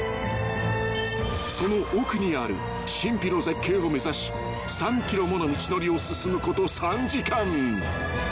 ［その奥にある神秘の絶景を目指し３ｋｍもの道のりを進むこと３時間］